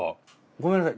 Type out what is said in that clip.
ごめんなさい。